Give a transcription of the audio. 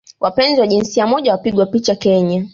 wapenzi wa jinsia moja wapigwa picha Kenya